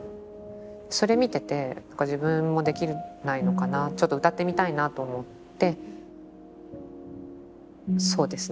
それ見てて自分もできないのかなちょっと歌ってみたいなと思ってそうですね